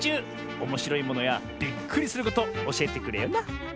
おもしろいものやびっくりすることおしえてくれよな！